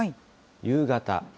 夕方。